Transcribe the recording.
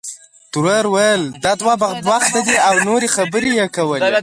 ترور ویل دا دوه بخته دی او نورې خبرې یې کولې.